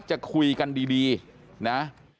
จะคุยกันดีนะ